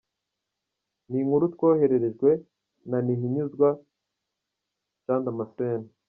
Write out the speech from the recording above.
Ni inkuru twohererejwe na Ntihinyuzwa Jean Damascene.